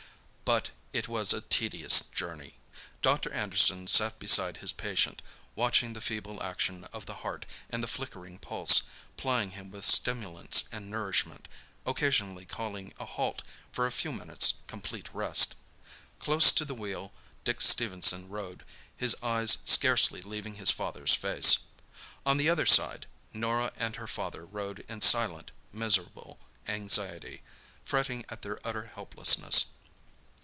But it was a tedious journey. Dr. Anderson sat beside his patient, watching the feeble action of the heart and the flickering pulse, plying him with stimulants and nourishment, occasionally calling a halt for a few minutes' complete rest. Close to the wheel Dick Stephenson rode, his eyes scarcely leaving his father's face. On the other side, Norah and her father rode in silent, miserable anxiety, fretting at their utter helplessness.